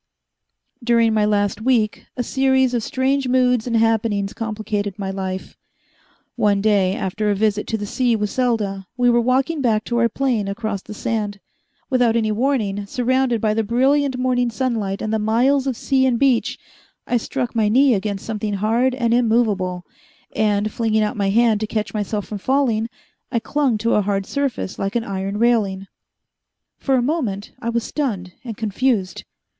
During my last week, a series of strange moods and happenings complicated my life. One day, after a visit to the sea with Selda, we were walking back to our plane across the sand. Without any warning, surrounded by the brilliant morning sunlight and the miles of sea and beach, I struck my knee against something hard and immovable, and, flinging out my hand to catch myself from falling, I clung to a hard surface like an iron railing. For a moment I was stunned and confused.